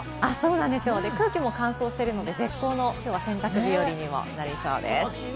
空気も乾燥しているので、絶好の洗濯日和になりそうです。